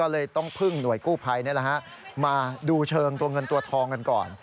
โดยกู้ภัยนี่แหละฮะมาดูเชิงตัวเงินตัวทองกันก่อน